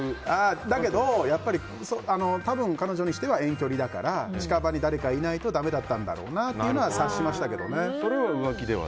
だけど、多分彼女にしたら遠距離だから近場に誰かいないとだめだったんだろうなとは察しましたけどね。